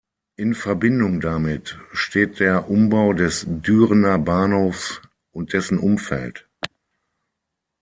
In Verbindung damit steht der Umbau des Dürener Bahnhofs und dessen Umfeld.